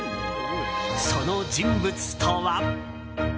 その人物とは。